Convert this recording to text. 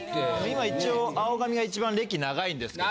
今一応青髪が一番歴長いんですけど。